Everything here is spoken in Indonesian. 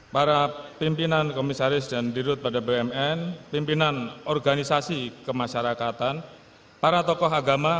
para pimpinan komisaris dan dirut pada bumn pimpinan organisasi kemasyarakatan para tokoh agama